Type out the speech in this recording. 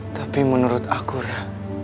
tapi menurut aku ra